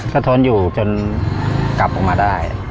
เขาทนอยู่จนกลับกลับมาได้